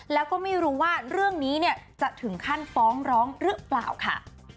แล้วก็ไม่รู้ว่าเรื่องนี้เนี่ยจะถึงขั้นฟ้องร้องหรือเปล่าค่ะ